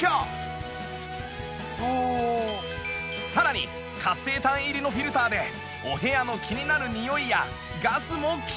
さらに活性炭入りのフィルターでお部屋の気になる臭いやガスも吸着！